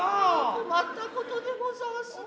困ったことでござんすな。